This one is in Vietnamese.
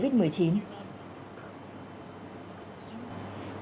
tiếp tục những thông tin